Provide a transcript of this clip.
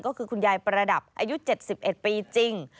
ก็คือคุณยายประดับอายุ๗๑ปีจริง